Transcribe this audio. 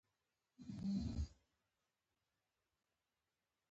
چی د هغی یوه جمله دا ده